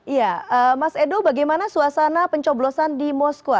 iya mas edo bagaimana suasana pencoblosan di moskwa